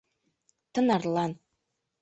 — Тынарлан!